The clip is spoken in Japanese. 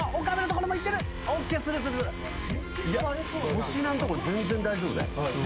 粗品のとこ全然大丈夫だよ。